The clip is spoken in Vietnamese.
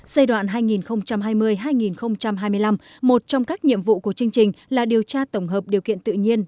giai đoạn hai nghìn hai mươi hai nghìn hai mươi năm một trong các nhiệm vụ của chương trình là điều tra tổng hợp điều kiện tự nhiên